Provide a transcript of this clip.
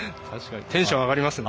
テンション上がりました。